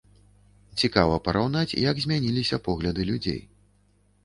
Цікава параўнаць, як змяніліся погляды людзей.